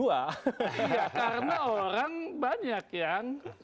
ya karena orang banyak yang